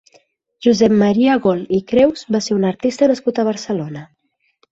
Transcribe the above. Josep Maria Gol i Creus va ser un artista nascut a Barcelona.